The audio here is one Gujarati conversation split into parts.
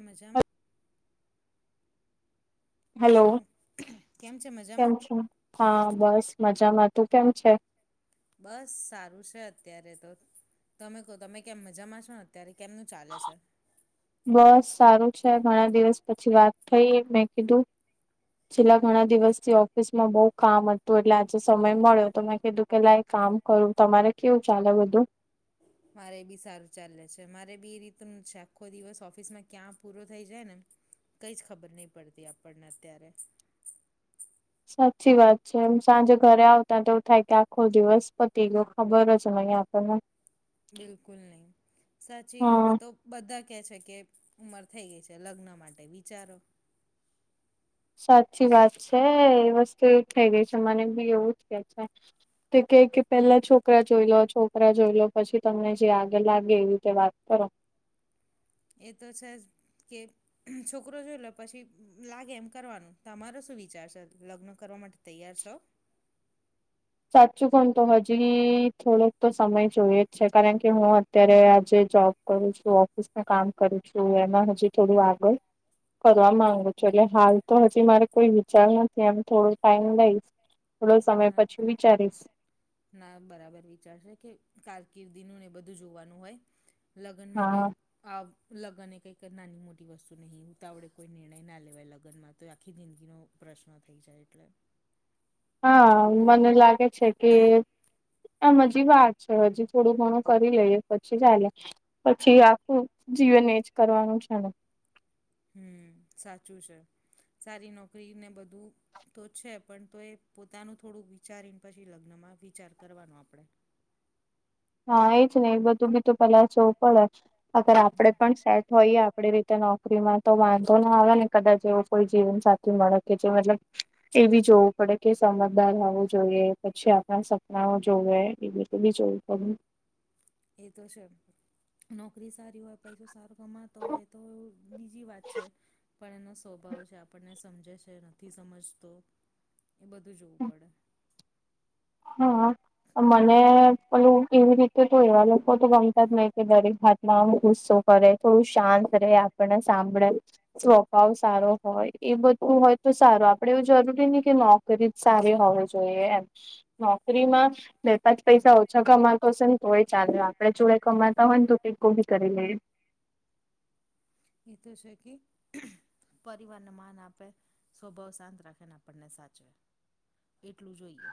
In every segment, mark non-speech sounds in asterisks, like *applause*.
મજામાં. હેલો હલો કેમ છે કેમ મજામાં. છો હા, બસ મજામાં તું કેમ છે. બસ સારું છે અત્યારે તો. તમે કહો તમે કેમ મજામાં છો ને અત્યારે કેમનું ચાલે છે. બસ સારું છે ઘણા દિવસ પછી વાત થઈ મેં કીધું છેલ્લા ઘણા દિવસથી ઓફિસમાં બઉુ કામ હતું એટલે આજે સમય મળ્યો તો મેં કીધું કે લાય કામ કરું તમારે કેવું ચાલે બધું. મારે એ બી સારું ચાલે છે મારે બી એ રીતનું છે આખો દિવસ ઓફિસમાં ક્યાં પૂરો થઈ જાય ને કઈ જ ખબર નહી પડતી આપણને અત્યારે. સાચી વાત છે એમ સાંજે ઘરે આવતા તો એવું થાય કે આખો દિવસ પતી ગયો ખબર જ નહી આમ. *inaudible* બિલકુલ નહીં સાચી હા હવે તો બધા કહે છે કે ઉંમર થઈ ગઈ છે લગ્ન માટે વિચારો. સાચી વાત છે એ વસ્તુ એવું થઈ ગઈ છે મને બી એવું જ કે છે. તે કે કે પેલા છોકરા જોઈ લો છોકરા જોઈ લો પછી તમને જે આગળ લાગે એવું. કે વાત કરો. એ તો છે જ કે. છોકરો જોઈ લો પછી લાગે એમ કરવાનું તમારો શું વિચાર છે લગ્ન કરવા માટે તૈયાર છો. સાચું કહું ને તો હજી થોડોક તો સમય જોઈએ જ છે કારણ કે હું અત્યારે આજે જોબ કરું છું ઓફિસમાં કામ કરું છું એમાં હજી થોડું આગળ કરવા માંગુ છું એટલે હાલ તો હજી મારે કોઈ વિચાર નથી એમ થોડો ટાઈમ લઈ થોડો સમય ના પછી વિચારીશ. ના બરાબર વિચારજે કે કારકિર્દીનું ને એ બધું જોવાનું હોય. લગનમાં હા કયુ આ લગ્ન એ કંઈક નાની મોટી વસ્તુ નહીં ઉતાવડે કોઈ નિર્ણય ના લેવાય લગ્નમાં. તો એ આખી જિંદગીનો પ્રશ્ન થઈ જાય એટલે. હા એ મને લાગે છે કે એમ હજી વાર છે હજી થોડું ઘણું કરી લઈએ પછી ચાલે પછી આખું જીવન એજ કરવાનું છે ને. હમ્મ સાચું છે સારી નોકરી ને બધું તો છે પણ તો એ પોતાનું થોડુંક વિચારીને પછી લગ્નમાં વિચાર કરવાનો આપણે હા એજ ને એ બધું બી તો પેલા જોવું પડે અગર હમ આપડે પણ સેટ હોઈએ આપડી રીતે નોકરીમાં તો વાંધો ના આવે ને કદાચ એવો કોઈ જીવનસાથી મળે કે જે મતલબ એ બી જોવું પડે કે સમજદાર હોવું જોઈએ પછી આપણા સપનાઓ જોવે એ બધું બી જોવું *inaudible* એ તો છે નોકરી સારી હોય પૈસો સારો કમાતો હોય તો એ બીજી વાત છે પણ એનો સ્વભાવ છે આપણને સમજે છે નથી સમજતો એ બધું જોવું પડે હા મને પેલું એવી રીતે તો એવા લોકો તો ગમતા જ નહી કે દરેક ભાત નામ ગુસ્સો કરે થોડું શાંત રહે આપણને સાંભળે સ્વભાવ સારો હોય એ બધું હોય તો સારો આપડે એવું જરૂરી ની કે ન જ સારી હોવી જોઈએ એમ નોકરીમાં બે પાચ પૈસા ઓછા કમાતો હશે ને તોય ચાલલે આપડે જોડે કમાતા હોય ને તો ટેકો ભી કરી લઈએ એતો છે કી પરિવારને માન આપે સ્વભાવ શાંત રાખીને આપણને સાચવે એટલું જોઈએ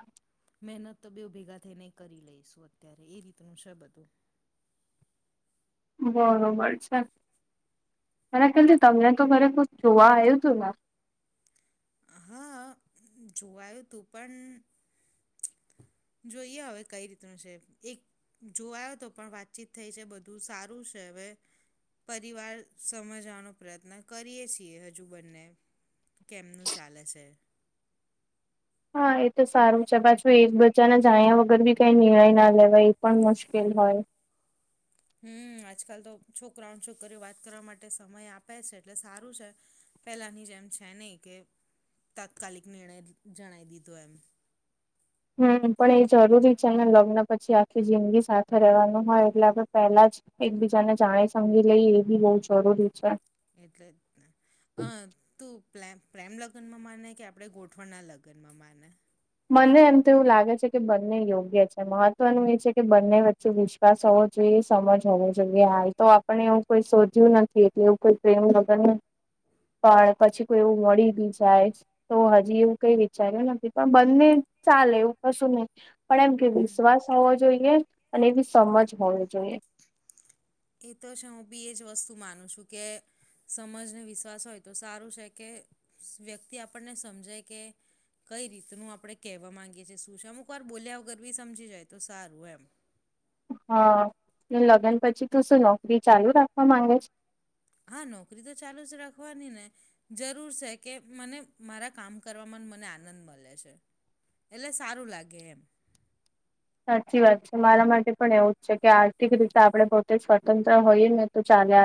મહેનત તો બે ભેગા થઈને કરી લઈશું અત્યારે એ રીતનું છે બધું બરોબર છે અને ક તમને તો ખરે જોવા આવ્યું હતું ને હા જોવાયું હતું પણ જોઈએ હવે કઈ રીતનું છે એક જોવાયો તો પણ વાતચીત થઈ છે બધું સારું છે હવે પરિવાર સમજવાનો પ્રયત્ન કરીએ છીએ હજુ બંને કેમનું ચાલે છે હા એ તો સારું છે પાછુ એકબજાના જાણ્યા વગર બી કઈ નિર્ણય ના લેવાય એ પણ મુશ્કેલ હોય હમ્મ આજકાલ તો છોકરાઓ છોકરીઓ વાત કરવા માટે સમય આપે છે એટલે સારું છે પેલાની જેમ છે નહીં કે તાત્કાલિક નિર્ણય જણાય દીધો એમ હમ્મ પણ એ જરૂરી છે ને લગ્ન પછી આખી જિંદગી સાથે રહેવાનું હોય એટલે આપડણે પહેલા જ એકબીજા ને જાણી સમજી લઈ એ બી બહુ જરૂરી છે એટલે જ ને અ તું પ્રેમ લગ્નમાં માને કે આપણેે ગોઠવણ ના લગ્ન માં માને મને એમ તો એવું લાગે છે કે બંને યોગ્ય છે મહત્વનું એ છે કે બંને વચ્ચે વિશ્ વિકાસ હોવો જોઈએ સમજ હોવો જોઈએ હા એ તો આપણે એવું કોઈ શોધ્યું નથી એટલે એવું કોઈ પ્રેમ લગન નથી પણ પછી કોઈ એવું મળી બી જાય તો હજી એવું કઈ વિચાર્યું નથી પણ બંને ચાલે એવું કશું નહી પણ એમ કે હમ વિશ્વાસ હોવો જોઈએ અને સમજ હોવી જોઈએ એ તો છે હું બી એ જ વસ્તુ માનું છું કે સમજને વિશ્વાસ હોય તો સારું છે કે વ્યક્તિ આપણને સમજે કે કઈ રીતનું આપણે કહેવા માંગીએ છીએ શું છે અમુક વાર બોલ્યા વગર બી સમજી જાય તો સારું એમ હા લગ્ન પછી તું શું નોકરી ચાલુ રાખવા માંગે છે હા નોકરી તો ચાલુ જ રાખવાની ને જરૂર છે કે મને મારા કામ કરવાવામાં મને આનંદ મળે છે એટલે સારું લાગે એમ સાચી વાત છે મારા માટે પણ એવું જ છે કે આર્થિક રીતે આપણે પોતે સ્વતંત્ર હોઈએ ને તો ચાલે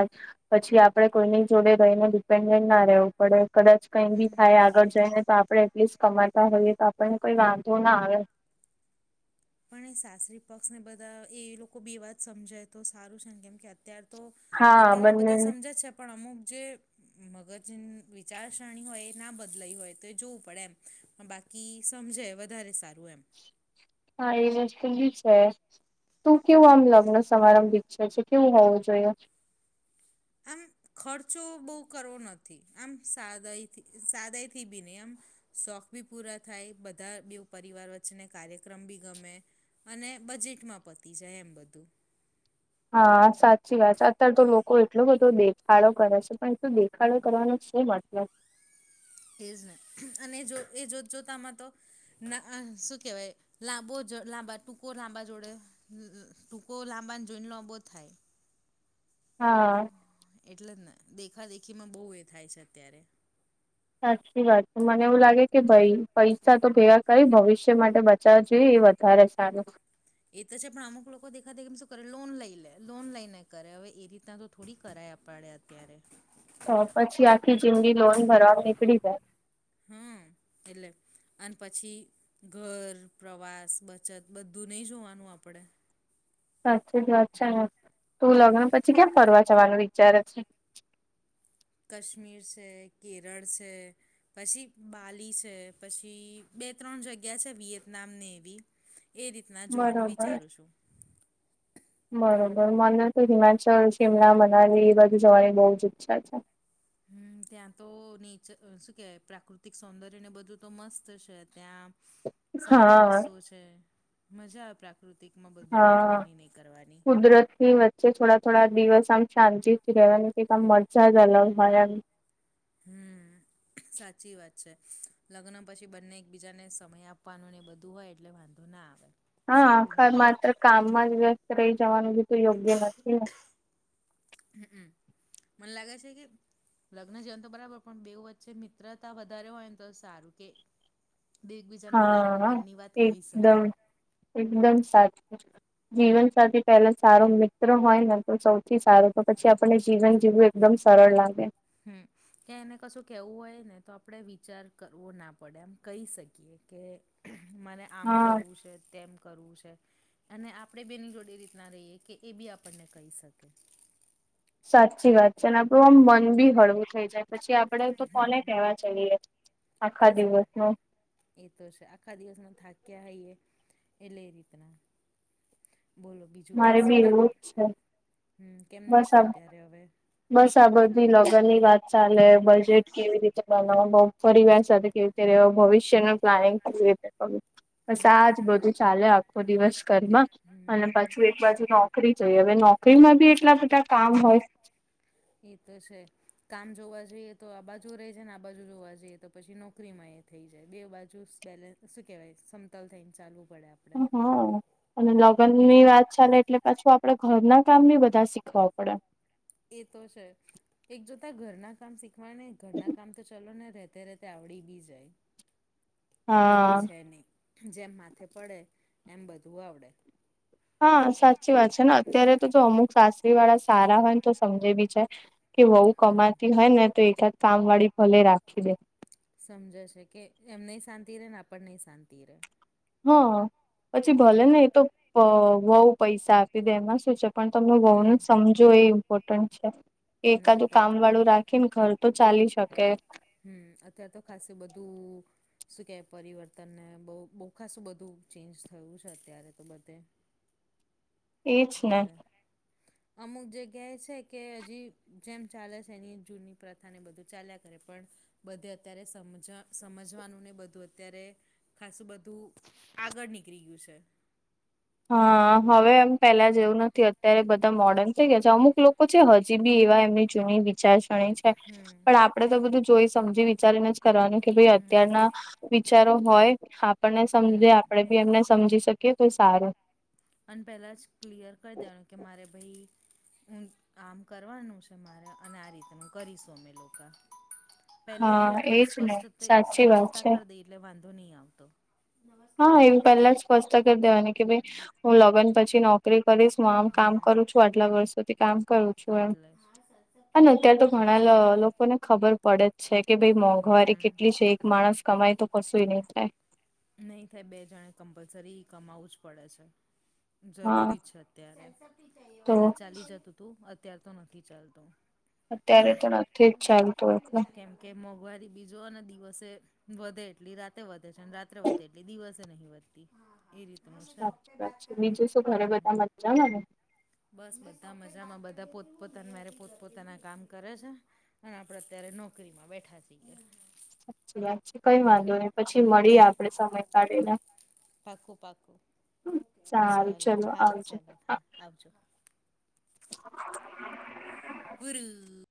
પછી આપડે કોઈની જોડે રહીને ડિપેન્ડન્ટ ના રેવું પડે કદાચ કઈ બી હમ થાય આગળ જઈ ને તો આપ એટલીસ્ટ કમાતા હોઈએ તો આપણને કોઈ વાંધો ના આવે પણ એ સાસરી પક્ષ ને બધા એ લોકો બે વાત સમજાય તો સારું છે ને કેમકે અત્યાર તો હા અત્યારે તો બંને બધા સમજ જ છે પણ અમુક જે મગજ વિચારસરણી હોય એ ના બદલાઈ હોય તો એ જોવું પડે એમ પણ બાકી બાકી સમજે વધારે સારું એમ હા એ વસ્તુ બી છે તું કેવું આમ લગ્ન સમારંભ ઈચ્છે છે કેવું હોવું જોઈએ આમ ખર્ચો બહુ કરવો નથી આમ સાદાથી સાદાથી બી નહીં આમ શોખ બી પૂરા થાય બધા બ પરિવાર વચ્ચેને કાર્યક્રમ બી ગમે અને બજેટમાં પતી જાય એમ બધું હા સાચી વાત છે અત્યારે તો લોકો એટલો બધો દેખાડો કરે છે પણ એટું દે કાળો કરવાનો છે મતલબ એજ ને અને જો એ જોત જોતામાં તો ના શું કેવાયં બ લાંબા ટૂકો લાંબા જોડે ત કો લાંબન જઈન લવ થાય હા એટલે જ ને દેખા દેખી માં બહુ એ થાય છે અત્યારે. સાચી વાત છે મને એવું લાગે કે ભાઈ પૈસા તો ભેગા કરી ભવિષ્ય માટે બચાવવા જોઈએ એ વધ. ઘરે સારું. એ તો છે પણ અમુક લોકો દેખા દે કે શું કરે લોન લઈ લે લોન લઈને કરે હવે એ રીતના તો થોડી કરાય પડે અત્યારે તો પછી આખી જિંદગી લોન ભરવા નીકળી જાય હમ એટલે અને પછી ઘર પ્રવાસ બચત બધું નહી જોવાનું આપડે સાચી જ વાત છે તું લગ્ન પછી કે્યામ ફરવા જવાનું વિચારે છે કશ્મીર છે કેરળ છે પછી બાલી છે પછી બે ત્રણ જગ્યા છે વિયેતનામને એવી એ રીતે બરોબર બરોબર મને તો હિમાચલ શિમલા મનાલી એ બધું જવાની બહુ જ ઈચ્છા છે હ ત્યાં તો નેચર શું કહે પ્રાકૃતિક સૌંદર્યને બધું તો મસ્ત છે ત્યાં *inaudible* સારી વસ્તુઓ છે મજા આવે પ્રાકૃતિક. હા કુદરત. થોડા થોડા દિવસ આમ શાંતિથી રહેવા ની કઈક આમ મજા જ અલગ હોયમ. હમ. સાચી વાત છે લગ્ન પછી બંને એકબીજાને સમય આપવાનો ને એ બધું હોય એટલે વાંધો. ધુના આવે આવેે. હા આખર માત્ર કામમાં જ વ્યસ્ત રહી જવાનું બીધું યોગ્ય નથી ને. હમમ મને લાગે છે કે. લગ્ન જેવાન તો બરાબર પણ બેવ વચ્ચે મિત્રતા વધારે હોય ને તો સારું કે. બે એકબીજાને પોતાની હા મનની વાત કહી એકદમ શકે. એકદમ સાચું જીવન સાથેથી પહેલા સારો મિત્ર હોય ને. તો સૌથી સારું તો પછી આપણને જીવન જીવું એકદમ સરળ લાગે. હમ. કે એને કશું કેવું હોય ને તો આપણે વિચાર કરવો ના પડે આમ કહી શકીએ કે. મને આમ હા કરવું છે તેમ કરવું છે. અને આપણે બેની જોડે રીતના રહીએ કે એ બી આપણને કહી શકીએ. સાચી વાત છે અને આપડું આમ મન બી હળવું થઈ જાય પછી આપડે તો કોને કહેવા જઈએ. આખા દિવસ ન એઝ. એ તો છે આખા દિવસમાં થાક્યા હોઈએ એટલે એ રીતના. બોલો બીજું કે મારે શું બી કેમ એવું જ છે હમ કેમનું બસ છે આ અત્યારે હવે. બસ આ બધી લગ્ન ની વાત ચાલે બજેટ કેવી રીતે બનાવ બ. પરિવાર સાથે કેવી રીતેવા ભવિષ્યનું પ્લાનિંગ કેવી રીતે. બસ આજ બરાબર બધું ચાલે આખો દિવસ ઘરમાં અને હમ એક બાજુ નોકરી જોઈ હવે નોકરીમાં બી એટલા બધા કામ હોય. એ તો છે કામ જોવા જઈએ તો આ બાજુ રહે છે ને આ બાજુ જોવા જઈએ તો પછી નોકરીમાં એ. થઈ જાય બે બાજુ બેલેન્સ શું કહેવાય સમતલ થઈને ચાલવું પડે આપણે. હા અને લગ્ને ની એટલે વાત ચાલે એટલે પાછું આપડે ઘરના કામ ની બધા શીખવા પડે. એ તો છે એક જોતા ઘરના કામ શીખવા ને ઘરના કામ તો ચાલ ને રેતે રે આવડી બી જાય. કઈ એ હા છે નહી. જેમ માથે પડે એમ બધું આવડે. હા સાચી વાત છે ને અત્યારે તો જો અમુક સાસરી વાળા સારા હોય ને તો સમજે બી છે કે વહુ હા કમાતી હોય ને તો એકાદ કામ વાળી ભલે રાખી દે. સમજે છે કે એમ નહી શાંતિ રે ને આપણ ને ઈ શાંતિ રેહ. હા પછી ભલે ને એ તો પ વહુ પૈસા આપી દે એમાં શું છે. પણ તમે હમ વઉનું સમજો એ ઇમ્પોર્ટન્ટ છે. ના એકાદું તો કામ વાળું રાખીન ઘર તો ચાલી શકે. હમ અત્ય્યારે તો ખાસ બધું શું કેહે પરિવર્તનને બહુ બો ખાસું બધું ચેન્જ થયું છે અત્યારે તો બધે. એજ ને એટલે. અમુક જગ્યા એ છે કે હજી જેમ ચાલે છે એની જૂની પ્ર થાને બધું ચાલ્યા કરે પણ બધે અત્યારે સમજ સમજવાનુંને બધું અત્યારે ખાસું બધું આગળ નીકળી ગૃ છે. હા હવે એમ પેલા જેવું નથી અત્યારે બ તે મોર્ડર્ન થઈ ગયા છે અમુક લોકો છે હજી બી એવા એમની જૂની વિચારસરણી છે હમ પણ આ પડે તો બધું જોઈ સમજી વિચારીને જ કરવાનું કે ભાઈ હમ અત્યારના વિચારો હોય આપણને સમજે હમ. આપડે બી એમને સમજી શકીએ તો સારુ. અને પેહલા જ ક્લિયર કરી દેવાનું કે મારે ભાઈ હું આમ કરવાનું છે મારે અને આ રીતનું કરીશું અમે લોકા. હા પેહલેથી આપણે એજ ને સ્પષ્ટ સાચી વાત સ્પષ્ટતા છે કર દઈ એટલે વાંધો ની આવતો. હા એવી પેહલા સ્પષ્ટતા કર દેવાની કે ભાઈ હું લગન પછી નો કરી કરીશ, હું આમ કામ હમ. કરું છું, આટલા વર્ષોથી કામ કરું છું એમ એટલે અને અત્યારે જ તો એટલા ઘણા લ લોકોને ખબર પડે જ છે કે ભાઈ મોંઘવારી હમ. કેટલી છે એક માણસ કમાય તો કશું ઈ નઈ થાય. નહીં થાય બે જનાણે કમ્પલસરી કમાવવું જ પડે છે. હા જરૂરી છે અત્યારે, તો પેલા ચાલી જતું તું અત્યાર તો નથી ચાલતું. અત્યારે તો નથી જ ચાલતું એટલે કેમ કે મોંઘવારી બીજો અને દિવસે વધે એટલી રાતે વધે છે અન રા ત્રે વધે એટલી દિવસે નહી વધતી એ રીત. સાચી વાત છે. બીજું શું ઘરે બધા મજામા ને? બસ બધા મજામાં બધા પોતપોતા મારે પોતપોતાના કામ કરે છે. અને આપડે અત્યારે નોકરીમાં બેઠા છી એવું. સાચી વાત છે કઈ વાંધો નહી પછી મળીએ આપડે સમય કાઢીને. પાકું પાકું, સારું ચલો, હા આવજો ચાલો હા આવજો. *unintelligible* વરુ